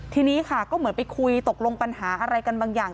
ทีนี้ค่ะก็เหมือนไปคุยตกลงปัญหาอะไรกันบางอย่าง